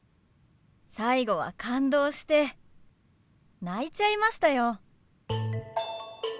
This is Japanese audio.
最後は感動して泣いちゃいましたよ。